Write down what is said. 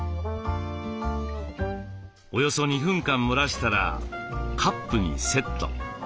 およそ２分間蒸らしたらカップにセット。